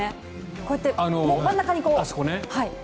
こうやって真ん中にこう。